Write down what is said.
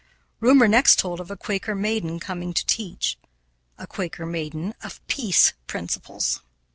Rumor next told of a Quaker maiden coming to teach a Quaker maiden of peace principles.